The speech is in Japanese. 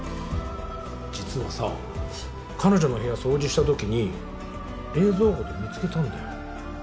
実はさ彼女の部屋掃除したときに冷蔵庫で見つけたんだよ。